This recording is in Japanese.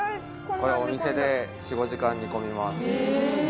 お店で４、５時間煮込みます。